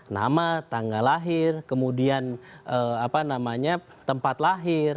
nama tanggal lahir kemudian tempat lahir